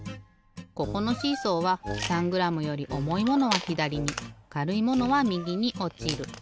ここのシーソーは３グラムより重いものはひだりにかるいものはみぎにおちる。